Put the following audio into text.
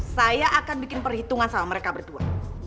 saya akan bikin perhitungan sama mereka berdua